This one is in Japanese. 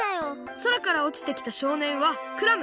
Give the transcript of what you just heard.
そらからおちてきたしょうねんはクラム。